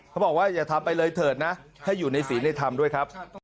เขาบอกว่าอย่าทำไปเลยเถิดนะให้อยู่ในศีลในธรรมด้วยครับ